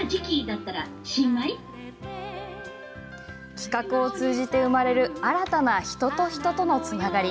企画を通じて生まれる新たな人と人とのつながり。